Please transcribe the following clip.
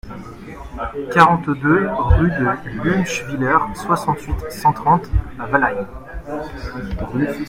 quarante-deux rue de Luemschwiller, soixante-huit, cent trente à Walheim